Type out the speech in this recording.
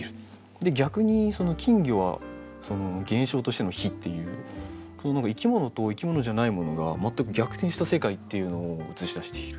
で逆に「金魚」は現象としての「火」っていう生き物と生き物じゃないものが全く逆転した世界っていうのを映し出している。